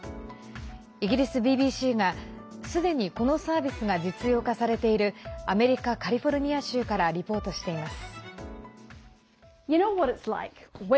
イギリスＢＢＣがすでに、このサービスが実用化されているアメリカ・カリフォルニア州からリポートしています。